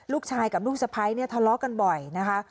ลูกชายกับลูกสะพ้ายเนี่ยทะเลาะกันบ่อยนะคะ